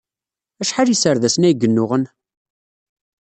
Acḥal n yiserdasen ay yennuɣen?